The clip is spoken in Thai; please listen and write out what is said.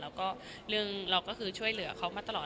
เป็นแฟนอะไรอย่างเงี้ยค่ะเราก็เรื่องเราก็คือช่วยเหลือเขามาตลอด